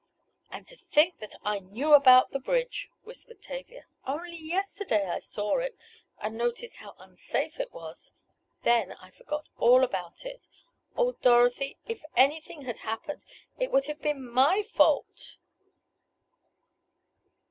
"And to think that I knew about the bridge!" whispered Tavia. "Only yesterday I saw it and noticed how unsafe it was. Then I forgot all about it. Oh, Dorothy! If anything had happened it would have been my fault!"